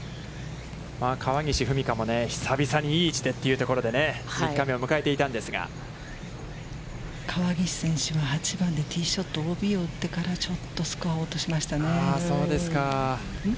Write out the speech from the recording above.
川岸史果も久々に、いい位置でというところで３日目を迎えていたんですが川岸選手は、８番でティーショットＯＢを打ってから、ちょっとスコアを落としましたね。